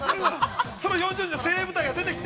◆その４０人の精鋭部隊が出てきて。